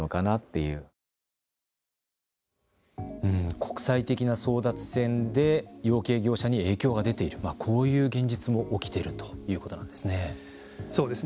国際的な争奪戦で養鶏業者に影響が出ているこういう現実も起きているということなんですね。